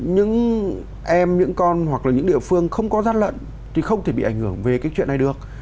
những em những con hoặc là những địa phương không có gian lận thì không thể bị ảnh hưởng về cái chuyện này được